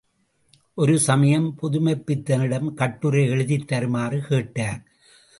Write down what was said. ஒரு சமயம் புதுமைப்பித்தனிடம் கட்டுரை எழுதித் தருமாறு கேட்டார்.